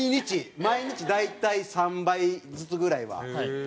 毎日、大体３杯ずつぐらいは。